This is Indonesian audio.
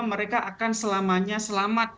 mereka akan selamanya selamat